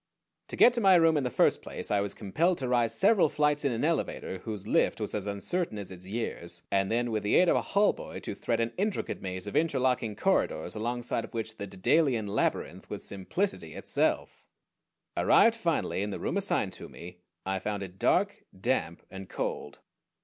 To get to my room, in the first place I was compelled to rise several flights in an elevator whose lift was as uncertain as its years, and then with the aid of a hallboy to thread an intricate maze of interlocking corridors alongside of which the Dedalian Labyrinth was simplicity itself. Arrived finally in the room assigned to me, I found it dark, damp, and cold.